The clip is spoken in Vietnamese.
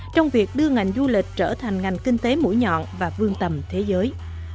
trong việc đưa ngành du lịch trở thành ngành kinh tế mũi nhọn và vương tầm thế giới